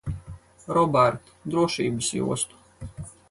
Robert, drošības jostu.